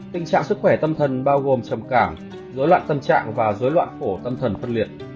tình trạng sức khỏe tâm thần bao gồm trầm cảm dối loạn tâm trạng và dối loạn phổ tâm thần phân liệt